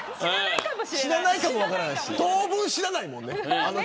当分死なないもんね。